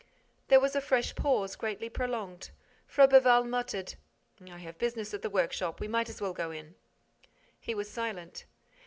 There was a fresh pause, greatly prolonged. Froberval muttered: "I have business at the workshop. We might as well go in—" He was silent.